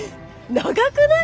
長くない？